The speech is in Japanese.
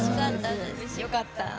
良かった。